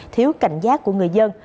thiếu cảnh giác của người dân